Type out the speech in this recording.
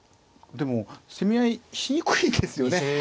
でも攻め合いしにくいですよね。